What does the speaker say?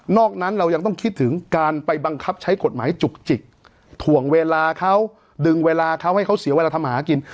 นั้นเรายังต้องคิดถึงการไปบังคับใช้กฎหมายจุกจิกถ่วงเวลาเขาดึงเวลาเขาให้เขาเสียเวลาทำหากิน